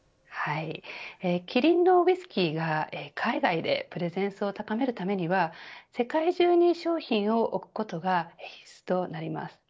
キリンのウイスキーが海外でプレゼンスを高めるためには世界中に商品を置くことが必須となります。